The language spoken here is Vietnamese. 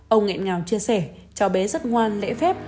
ông nghẹn ngào chia sẻ cháu bé rất ngoan lễ phép